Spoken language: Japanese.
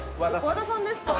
和田さんですか？